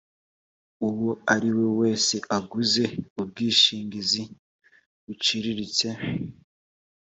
uwo ari we wese uguze ubwishingizi buciriritse